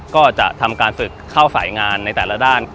ก็จะทำการศึกเข้าสายงานในแต่ละด้าน